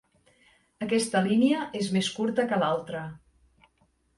Aquesta línia és més curta que l'altra.